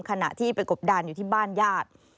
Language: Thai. ขณะที่ไปกบดานอยู่ที่บ้านญาติ